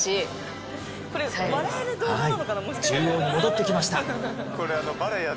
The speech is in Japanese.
中央に戻ってきました。